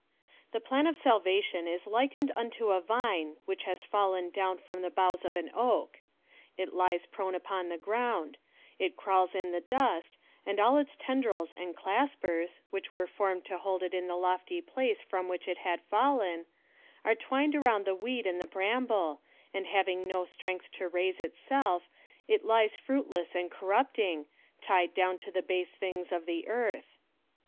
Tiie Plan of Salvation is likened unto a vine which has fallen down from the bouofhs of an oak. It lies prone upon the grouiid; it crawls in the dust, and all its tendrils and claspers, which were formed to hold it in the lofty place from which it had fallen, are twined around the weed and the bramble, and havmg no strength to raise itself, it lies fruitless and corruptmg, tied dowu to the base things of the earth.